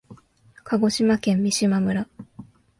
鹿児島県三島村